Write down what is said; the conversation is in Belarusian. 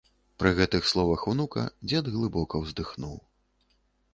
Пры гэтых словах унука дзед глыбока ўздыхнуў.